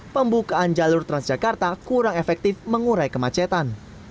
pembukaan jalur transjakarta kurang efektif mengurai kemacetan